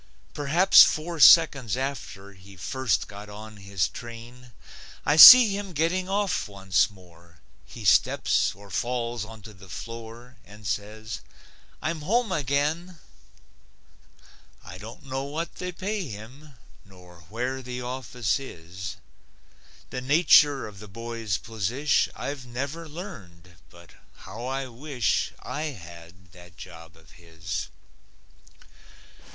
Perhaps four seconds after He first got on his train, I see him getting off once more. He steps or falls onto the floor And says, "I'm home again." I don't know what they pay him, Nor where the office is. The nature of the boy's posish I've never learned but how I wish I had that job of his!